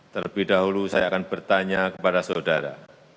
terlebih dahulu saya akan bertanya kepada saudara